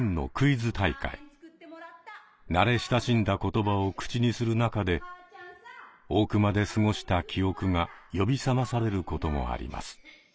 慣れ親しんだ言葉を口にする中で大熊で過ごした記憶が呼び覚まされることもあります。